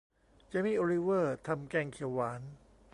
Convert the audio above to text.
เจมี่ โอลิเวอร์ทำแกงเขียวหวาน